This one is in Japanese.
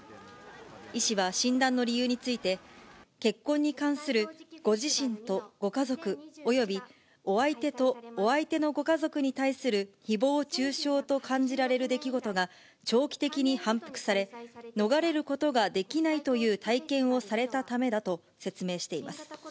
医師は診断の理由について、結婚に関するご自身とご家族およびお相手とお相手のご家族に対するひぼう中傷と感じられる出来事が長期的に反復され、逃れることができないという体験をされたためだと説明しています。